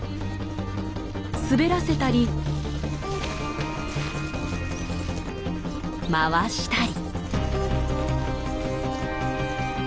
滑らせたり。回したり。